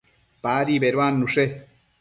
Padi beduannushe